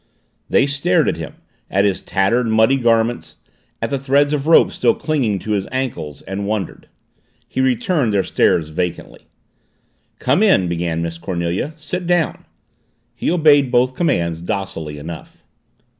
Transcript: They stared at him, at his tattered, muddy garments, at the threads of rope still clinging to his ankles and wondered. He returned their stares vacantly. "Come in," began Miss Cornelia. "Sit down." He obeyed both commands docilely enough.